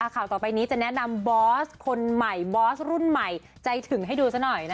ข่าวต่อไปนี้จะแนะนำบอสคนใหม่บอสรุ่นใหม่ใจถึงให้ดูซะหน่อย